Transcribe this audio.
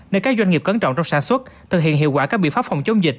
nên các doanh nghiệp cẩn trọng trong sản xuất thực hiện hiệu quả các biện pháp phòng chống dịch